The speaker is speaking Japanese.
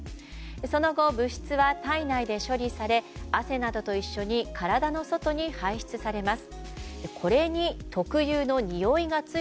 その後、物質は体内で処理され汗などと一緒に体の外へ排出されます。